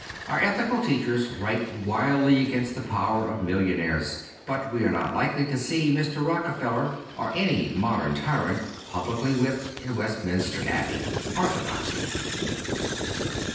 Our ethical teachers write wildly against the power of million aires, but we are not likely to see Mr. Rockefeller, or any modern tyrant, publicly whipped in West minster Abbey. 'Orthodoxy.